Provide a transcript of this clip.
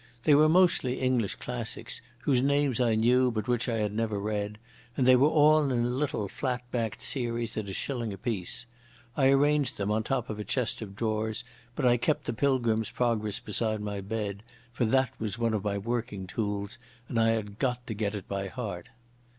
They were mostly English classics, whose names I knew but which I had never read, and they were all in a little flat backed series at a shilling apiece. I arranged them on top of a chest of drawers, but I kept the Pilgrim's Progress beside my bed, for that was one of my working tools and I had to get it by heart.